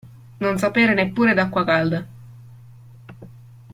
Non sapere neppure d'acqua calda.